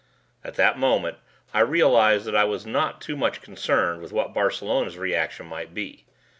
At that moment I realized that I was not too much concerned with what Barcelona's reaction might be.